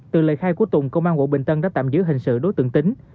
từ lời khai của tùng công an quận bình tân đã tạm giữ hình sự đối tượng tính